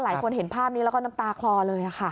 เห็นภาพนี้แล้วก็น้ำตาคลอเลยค่ะ